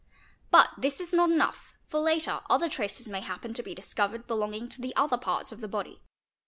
But this is not enough, for later other traces may happen to be discovered belonging to the other parts of the body.